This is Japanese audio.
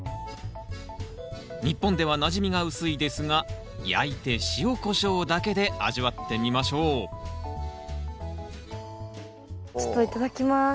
日本ではなじみが薄いですが焼いて塩こしょうだけで味わってみましょうちょっといただきます。